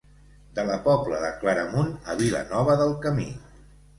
De la pobla de Claramunt a Vilanova del Camí.